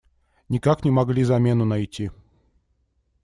Никак не могли замену найти.